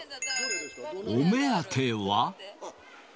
お目当ては。